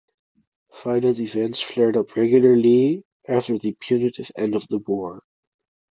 Violent events flared up regularly after the putative end of the war.